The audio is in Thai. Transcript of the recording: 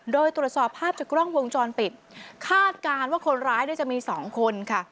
โดยตรวจสอบภาพจากกล้องวงจรปิดคาดการณ์ว่าคนร้ายจะมีสองคนค่ะ